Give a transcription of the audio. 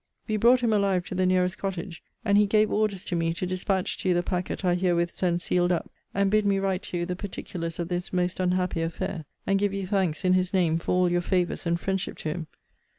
We brought him alive to the nearest cottage; and he gave orders to me to dispatch to you the packet I herewith send sealed up; and bid me write to you the particulars of this most unhappy affair: and give you thanks, in his name, for all your favours and friendship to him.